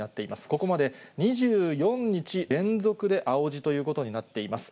ここまで２４日連続で青字ということになっています。